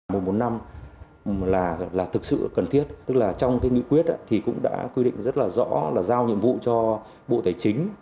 một năm là thực sự cần thiết tức là trong cái nghị quyết thì cũng đã quy định rất là rõ là giao nhiệm vụ cho bộ tài chính